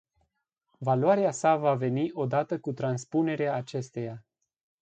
Valoarea sa va veni odată cu transpunerea acesteia.